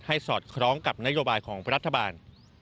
สอดคล้องกับนโยบายของรัฐบาล